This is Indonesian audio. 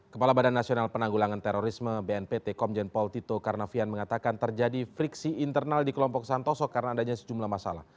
kepala badan nasional penanggulangan terorisme bnpt komjen paul tito karnavian mengatakan terjadi friksi internal di kelompok santoso karena adanya sejumlah masalah